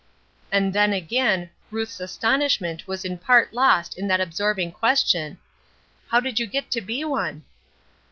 And then, again, Ruth's astonishment was in part lost in that absorbing question: "How did you get to be one?"